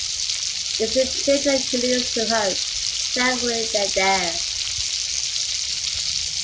Its the children who lead us to hope, thankfully they’re there.